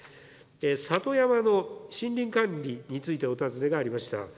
里山の森林管理について、お尋ねがありました。